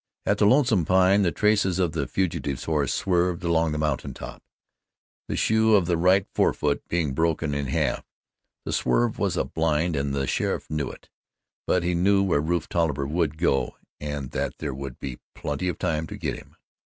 At the Lonesome Pine the traces of the fugitive's horse swerved along the mountain top the shoe of the right forefoot being broken in half. That swerve was a blind and the sheriff knew it, but he knew where Rufe Tolliver would go and that there would be plenty of time to get him.